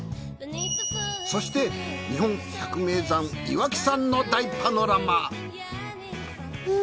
そして日本百名山岩木山の大パノラマ。